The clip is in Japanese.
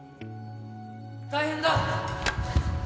大変だ！